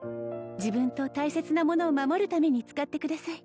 自分と大切なものを守るために使ってください